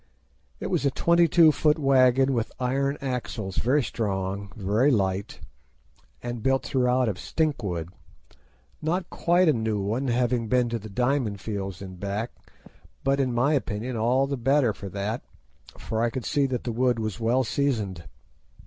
It was a twenty two foot wagon with iron axles, very strong, very light, and built throughout of stink wood; not quite a new one, having been to the Diamond Fields and back, but, in my opinion, all the better for that, for I could see that the wood was well seasoned.